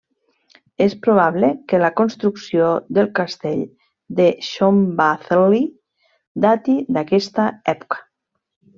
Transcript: És probable que la construcció del castell de Szombathely dati d'aquesta època.